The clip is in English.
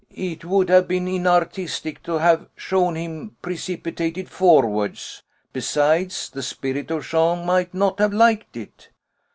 "It would have been inartistic to have shown him precipitated forwards; besides, the spirit of Jean might not have liked it."